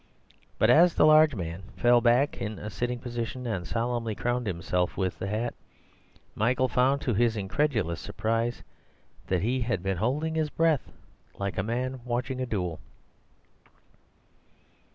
But as the large man fell back in a sitting posture and solemnly crowned himself with the hat, Michael found, to his incredulous surprise, that he had been holding his breath, like a man watching a duel.